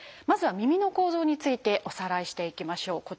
まずは耳の構造についておさらいしていきましょう。